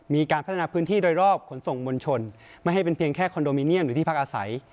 มีการพัฒนาพื้นที่โดยรอบขนส่งมวลชนไม่ให้เป็นเพียงแค่คอนโดมิเนียมหรือที่พักอาศัย